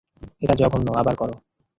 এটা জঘন্য, আবার করো।